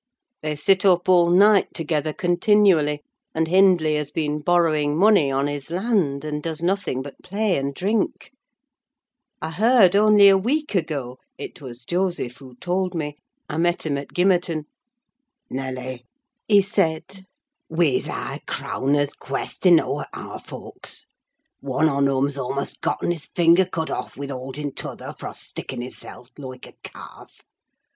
They sit up all night together continually, and Hindley has been borrowing money on his land, and does nothing but play and drink: I heard only a week ago—it was Joseph who told me—I met him at Gimmerton: 'Nelly,' he said, 'we's hae a crowner's 'quest enow, at ahr folks'. One on 'em 's a'most getten his finger cut off wi' hauding t' other fro' stickin' hisseln loike a cawlf.